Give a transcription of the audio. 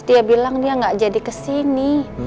dia bilang dia gak jadi kesini